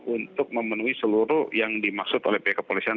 untuk memenuhi seluruh yang dimaksud oleh pihak kepolisian